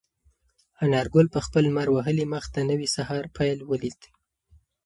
انارګل په خپل لمر وهلي مخ د نوي سهار پیل ولید.